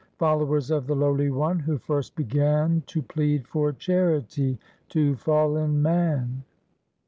Followers of the Lowly One, who first began • To plead for charity to fallen man